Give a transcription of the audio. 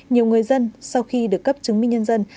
nhiều người dân sau khi được cấp chứng minh nhân dân